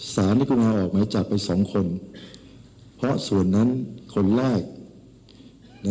สารได้กรุณาออกหมายจับไปสองคนเพราะส่วนนั้นคนแรกนะ